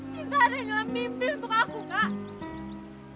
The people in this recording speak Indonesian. cinta adalah mimpi untuk aku kak